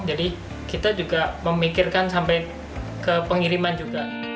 jadi kita juga memikirkan sampai ke pengiriman juga